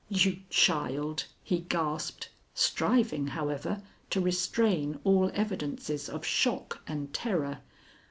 "You child!" he gasped, striving, however, to restrain all evidences of shock and terror.